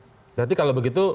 berarti kalau begitu